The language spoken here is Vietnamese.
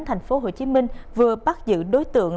thành phố hồ chí minh vừa bắt giữ đối tượng